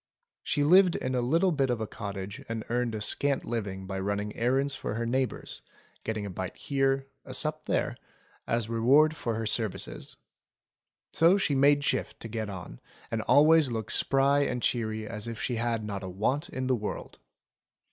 She lived in a little bit of a cottage and earned a scant living by running errands for her neighbours, getting a bite here, a sup there, as reward for her services. So she made shift to get on, and always looked as spry and cheery as if she had not a want in the world.